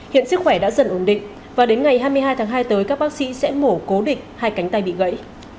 hiện sức khỏe đã dần ổn định và đến ngày hai mươi hai tháng hai tới các bác sĩ sẽ mổ cố định hai cánh tay bị gãy